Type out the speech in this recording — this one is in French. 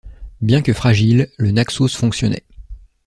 Bien que fragile, le Naxos fonctionnait.